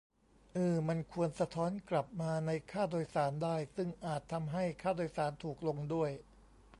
อือ มันควร "สะท้อน" กลับมาในค่าโดยสารได้ ซึ่งอาจทำให้ค่าโดยสารถูกลงด้วย